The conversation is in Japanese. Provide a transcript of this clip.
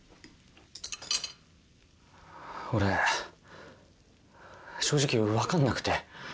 俺正直分かんなくて。